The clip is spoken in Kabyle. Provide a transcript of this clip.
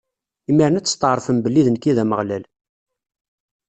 Imiren ad testɛeṛfem belli d nekk i d Ameɣlal.